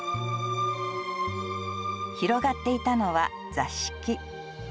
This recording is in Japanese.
広がっていたのは座敷。